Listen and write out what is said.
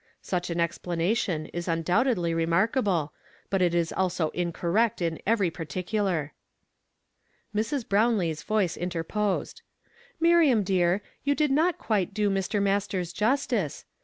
"Such an explanation is undoubtedly remarka ble, but it is also incorrect in every particular." Mrs. Brownlee's voice interposed. " Miriam dear, you did not quite do Mr. Masters justice.